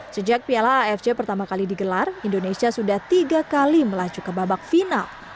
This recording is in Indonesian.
sejak piala afc pertama kali digelar indonesia sudah tiga kali melaju ke babak final